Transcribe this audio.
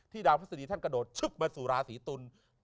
ดาวพฤษฎีท่านกระโดดชึบมาสู่ราศีตุล